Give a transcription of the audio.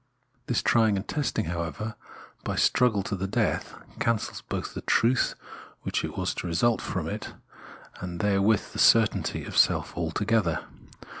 This trying and testing, however, by a struggle to the death, cancels both the truth which was to result from it, and therewith the certainty of self altogether.